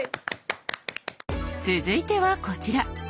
続いてはこちら。